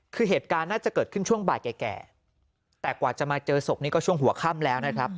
คือเหตุการณ์น่าจะเกิดขึ้นช่วงบ่ายแก่แต่กว่าจะมาเจอศพนี้ก็ช่วงหัวค่ำแล้วนะครับ